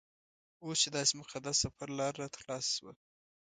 اوس چې داسې مقدس سفر لاره راته خلاصه شوه.